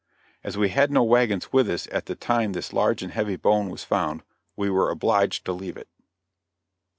As we had no wagons with us at the time this large and heavy bone was found, we were obliged to leave it.